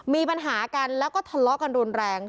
มีปัญหากันแล้วก็ทะเลาะกันรุนแรง